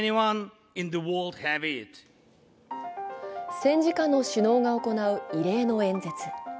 戦時下の首脳が行う異例の演説。